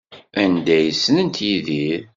Anda ay ssnent Yidir?